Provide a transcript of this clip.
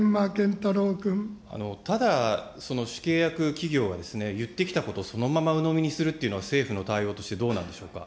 ただ、その主契約企業が言ってきたことをそのままうのみにするというのは、政府の対応として、どうなんでしょうか。